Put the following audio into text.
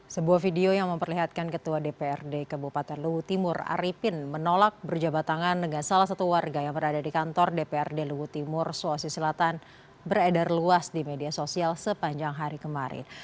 sebuah video yang memperlihatkan ketua dprd kabupaten luhut timur arifin menolak berjabat tangan dengan salah satu warga yang berada di kantor dprd luhut timur sulawesi selatan beredar luas di media sosial sepanjang hari kemarin